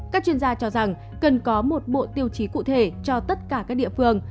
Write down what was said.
các chuyên gia cho rằng cần có một bộ tiêu chí cụ thể cho tất cả các địa phương